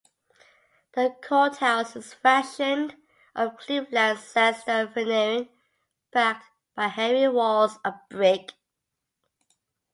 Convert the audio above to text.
The courthouse is fashioned of Cleveland sandstone veneering, backed by heavy walls of brick.